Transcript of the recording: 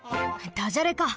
ダジャレか！